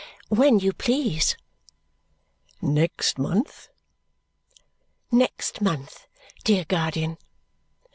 "When you please." "Next month?" "Next month, dear guardian."